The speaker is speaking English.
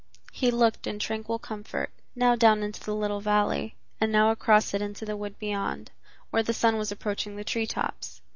He looked in tranquil comfort, now down into the little valley, and now across it into the wood beyond, where the sun was approaching the treetops.